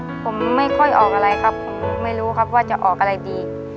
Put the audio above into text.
ผมไม่ค่อยออกอะไรครับผมไม่รู้ครับว่าจะออกอะไรดี